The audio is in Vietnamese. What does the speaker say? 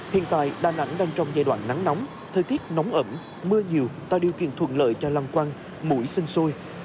hiện tại đà nẵng đang trong giai đoạn nắng nóng thời tiết nóng ẩm mưa nhiều ta điều kiện thuận lợi cho lan quan mũi sinh sôi